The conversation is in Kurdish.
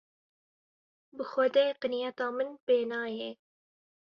Bi xwedê qinyeta min pê nayê.